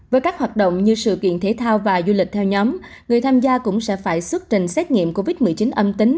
với các hoạt động như sự kiện thể thao và du lịch theo nhóm người tham gia cũng sẽ phải xuất trình xét nghiệm covid một mươi chín âm tính